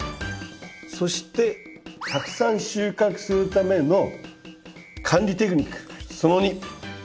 そしてたくさん収穫するための管理テクニックその２。